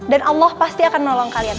dan allah pasti akan nolong kalian